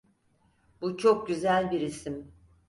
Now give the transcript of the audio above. Bu çok güzel bir isim.